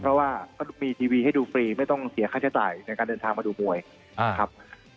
เพราะว่าก็มีทีวีให้ดูฟรีไม่ต้องเสียค่าใช้จ่ายในการเดินทางมาดูมวยครับ